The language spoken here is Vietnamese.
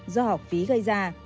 do học phí gây ra